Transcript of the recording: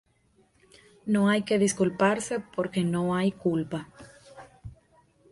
No hay que disculparse porque no hay culpa.